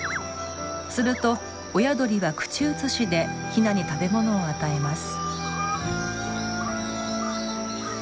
すると親鳥は口移しでヒナに食べ物を与えます。